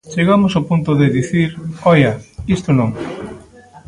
Chegamos ao punto de dicir: ¡oia!, isto non.